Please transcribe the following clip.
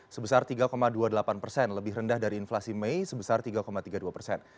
sebesar tiga dua puluh delapan persen lebih rendah dari inflasi mei sebesar tiga tiga puluh dua persen